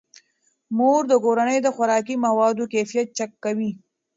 مور د کورنۍ د خوراکي موادو کیفیت چک کوي.